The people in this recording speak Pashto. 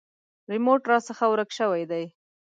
ریموټ راڅخه ورک شوی دی .